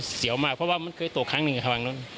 มันเสียมากเพราะว่ามันเคยตกครั้งหนึ่งทางนั้น